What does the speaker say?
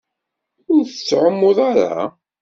Ur tettɛummuḍ ara?